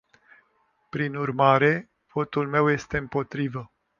Prin urmare, votul meu este împotrivă.